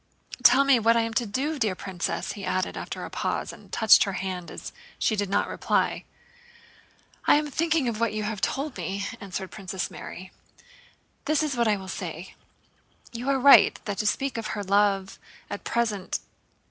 Tell me what I am to do, dear princess!" he added after a pause, and touched her hand as she did not reply. "I am thinking of what you have told me," answered Princess Mary. "This is what I will say. You are right that to speak to her of love at present..."